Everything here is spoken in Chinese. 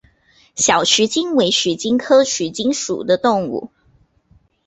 小鼩鼱为鼩鼱科鼩鼱属的动物。